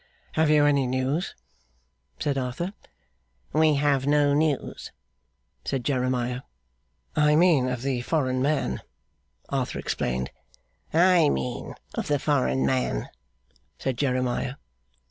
'Have you any news?' said Arthur. 'We have no news,' said Jeremiah. 'I mean of the foreign man,' Arthur explained. 'I mean of the foreign man,' said Jeremiah.